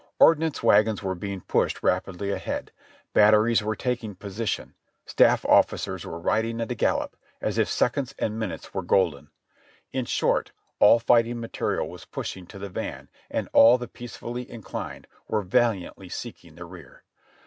Ordnance wagons were being pushed rapidly ahead ; batteries were taking position, staff officers were riding at a gallop, as if seconds and minutes were golden. In short, all fighting material was pushing to the van and all the peacefully inclined were valiantly seeking the rear.